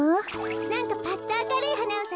なんかぱっとあかるいはなをさかせてよ。